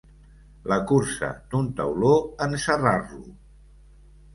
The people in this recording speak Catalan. La cursa d'un tauló en serrar-lo.